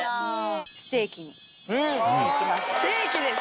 ステーキにしていきます。